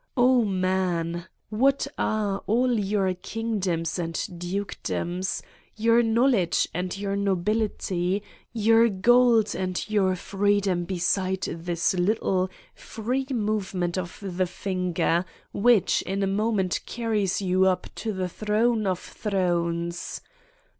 Oh, man, what are all your kingdoms and dukedoms, your knowledge and your nobility, your gold and your freedom be 137 Satan's Diary side this little, free movement of the finger which, in a moment carries you up to the Throne of Thrones!